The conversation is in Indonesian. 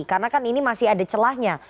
karena kan ini masih ada celahnya